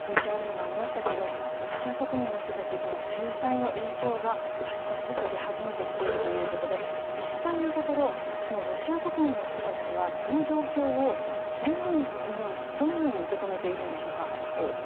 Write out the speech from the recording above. ＶＴＲにもありましたけどロシア国民の人たち制裁の影響が少しずつ出始めてきているということで実際のところロシア国民の人たちはこの状況をどのように受け止めているんでしょうか？